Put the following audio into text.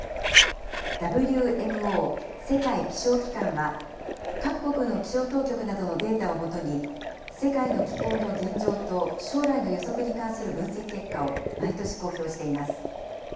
ＷＭＯ・世界気象機関は、各国の気象当局などのデータを基に、世界の気候の現状と将来の予測に関する分析結果を毎年公表しています。